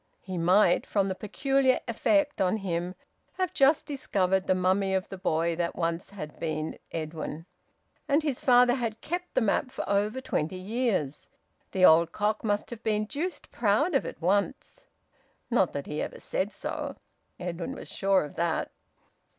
He might, from the peculiar effect on him, have just discovered the mummy of the boy that once had been Edwin... And his father had kept the map for over twenty years. The old cock must have been deuced proud of it once! Not that he ever said so Edwin was sure of that!